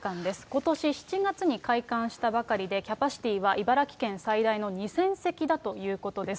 ことし７月に開館したばかりで、キャパシティーは茨城県最大の２０００席だということです。